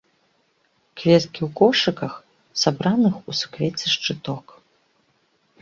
Кветкі ў кошыках, сабраных у суквецце шчыток.